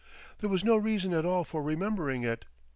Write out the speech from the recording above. There was no reason at all for remembering it.